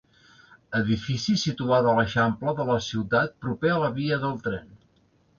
Edifici situat a l'eixample de la ciutat proper a la via del tren.